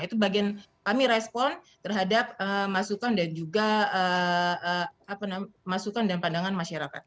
itu bagian kami respon terhadap masukan dan juga masukan dan pandangan masyarakat